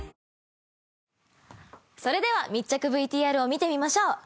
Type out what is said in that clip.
それでは密着ＶＴＲを見てみましょう。